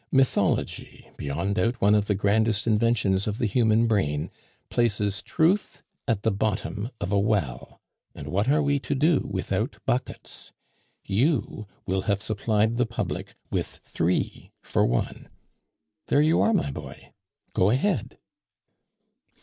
Mythology, beyond doubt one of the grandest inventions of the human brain, places Truth at the bottom of a well; and what are we to do without buckets? You will have supplied the public with three for one. There you are, my boy, Go ahead!"